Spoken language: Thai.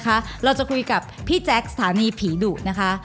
เราจะคุยกับพี่แจ๊คสถานีผีดุนะคะ